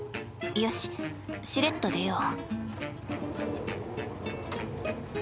よししれっと出よう。